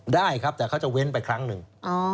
ได้ครับแต่เขาจะเว้นไปครั้งหนึ่ง